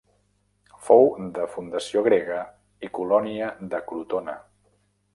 Fou de fundació grega i colònia de Crotona.